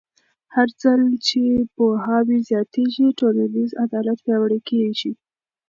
هرځل چې پوهاوی زیاتېږي، ټولنیز عدالت پیاوړی کېږي.